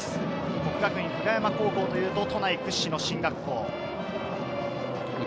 國學院久我山高校というと、都内屈指の進学校。